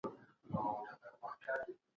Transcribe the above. د ګندمک په کلي کې افغانانو مورچل ونیو.